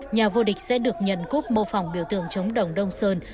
nhà vô địch sẽ được nhận góp mô phòng biểu tượng chống đồng đông sơn